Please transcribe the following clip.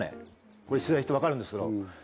これ取材して分かるんですけど。